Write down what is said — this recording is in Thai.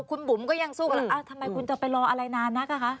คุณบุ๋มก็ยังสู้กันแล้วทำไมคุณจะไปรออะไรนานนักอะคะ